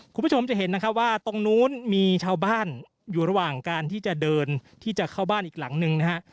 คุณผู้ชมจะเห็นนะครับว่าตรงนู้นมีชาวบ้านอยู่ระหว่างการที่จะเดินที่จะเข้าบ้านอีกหลังนึงนะฮะ